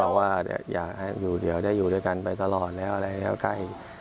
ว่าอยากให้อยู่เดี๋ยวได้อยู่ด้วยกันไปตลอดแล้วอะไรแล้วใกล้